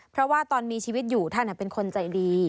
เพราะว่าตอนมีชีวิตอยู่ท่านเป็นคนใจดี